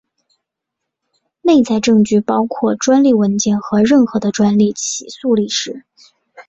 内在证据包括专利文件和任何的专利起诉历史。